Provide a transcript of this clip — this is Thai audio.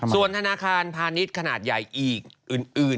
ส่วนธนาคารพาณิชย์ขนาดใหญ่อีกอื่น